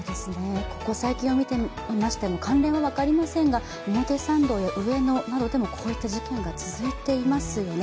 ここ最近をみてみましても関連は分かりませんが、表参道、上野などでもこういった事件が続いてますよね。